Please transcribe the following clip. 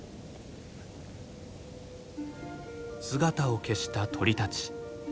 姿を消した鳥たち。